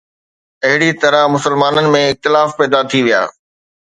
اهڙي طرح مسلمانن ۾ اختلاف پيدا ٿي ويا